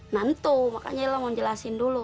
nanti makanya lo mau jelasin dulu